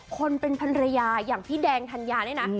คนเป็นพันรยาอย่างพี่แดงธัญญาเนี่ยนะ